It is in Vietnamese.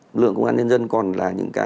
lực lượng công an nhân dân còn là